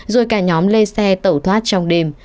rồi cả nhóm lê xe tẩu thoát trong đêm